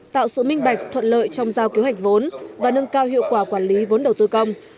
tạo sự minh bạch thuận lợi trong giao kế hoạch vốn và nâng cao hiệu quả quản lý vốn đầu tư công